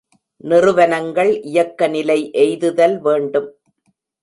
நிறுவனங்கள், இயக்கநிலை எய்துதல் வேண்டும்.